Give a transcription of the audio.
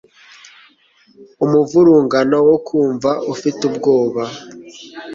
Umuvurungano wo kumva ufite ubwoba